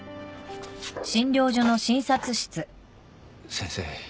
先生。